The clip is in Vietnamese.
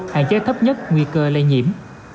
hạn chế thấp nhất nguy cơ lây nhiễm